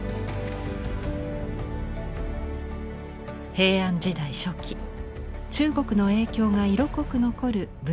平安時代初期中国の影響が色濃く残る仏像です。